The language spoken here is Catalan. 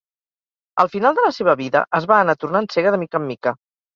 Al final de la seva vida, es va anar tornant cega de mica en mica.